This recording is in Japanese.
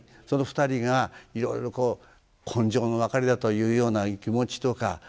その２人がいろいろこう今生の別れだとかというような気持ちとか